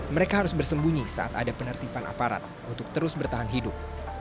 mereka harus bersembunyi saat ada penertiban aparat untuk terus bertahan hidup